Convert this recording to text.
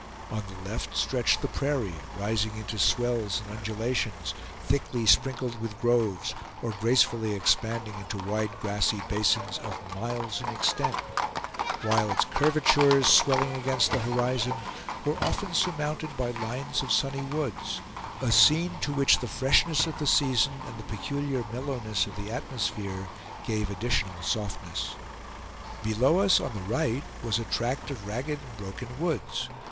On the left stretched the prairie, rising into swells and undulations, thickly sprinkled with groves, or gracefully expanding into wide grassy basins of miles in extent; while its curvatures, swelling against the horizon, were often surmounted by lines of sunny woods; a scene to which the freshness of the season and the peculiar mellowness of the atmosphere gave additional softness. Below us, on the right, was a tract of ragged and broken woods.